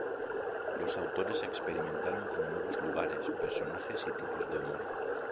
Los autores experimentaron con nuevos lugares, personajes y tipos de humor.